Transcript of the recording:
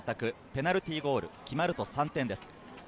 ペナルティーゴール、決まると３点です。